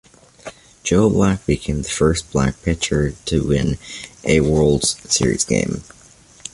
Joe Black became the first black pitcher to win a World Series game.